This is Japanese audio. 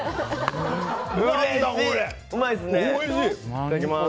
いただきます。